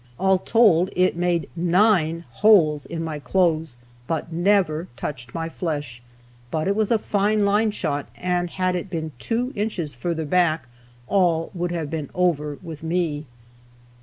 All told, it made nine holes in my clothes, but never touched my flesh. But it was a fine line shot and had it been two inches further back all would have been over with me.